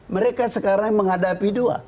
mereka sekarang menghadapi dua